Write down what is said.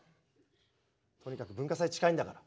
とにかく文化祭近いんだから。